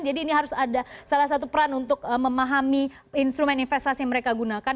jadi ini harus ada salah satu peran untuk memahami instrumen investasi mereka gunakan